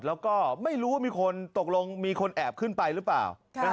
แล้วก็ไม่รู้ว่ามีคนตกลงมีคนแอบขึ้นไปหรือเปล่า